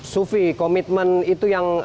sufi komitmen itu yang